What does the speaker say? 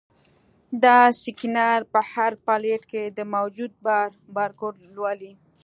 دا سکینر په هر پلیټ کې د موجود بار بارکوډ لولي.